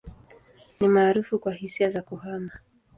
Ni maarufu kwa hisia za kuhama.